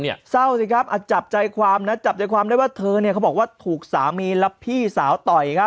เศร้าสิครับจับใจความนะจับใจความได้ว่าเธอเนี่ยเขาบอกว่าถูกสามีและพี่สาวต่อยครับ